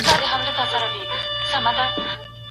مټکور ماغزه دتيږي بې کلتوره بې ادبه